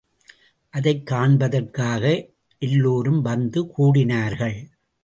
அதைக் காண்பதற்காக எல்லோரும் வந்து கூடினார்கள்.